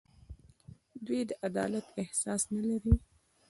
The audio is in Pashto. دوی د عدالت احساس نه لري.